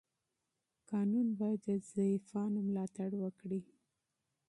قانون باید د ضعیفانو ملاتړ وکړي.